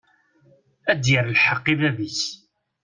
Ad d-yerr lḥeq i bab-is.